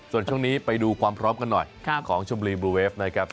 จนช่วงนี้ไปดูความพร้อมกันหน่อยของมริมพิษภักดิ์นี่นะครับ